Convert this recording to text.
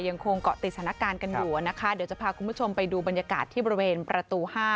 ยังคงเกาะติดสถานการณ์กันอยู่นะคะเดี๋ยวจะพาคุณผู้ชมไปดูบรรยากาศที่บริเวณประตู๕